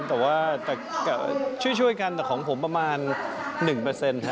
แต่ว่าช่วยกันแต่ของผมประมาณ๑เปอร์เซ็นต์